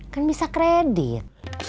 kan bisa kredit